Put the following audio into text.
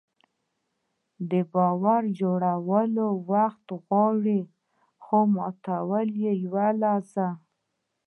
د باور جوړول وخت غواړي، خو ماتول یوه لحظه.